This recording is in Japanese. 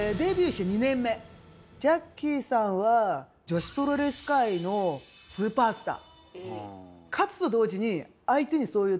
ジャッキーさんは女子プロレス界のスーパースター。